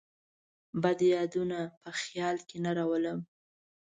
بد یادونه په خیال کې نه راولم.